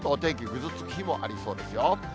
ぐずつく日もありそうですよ。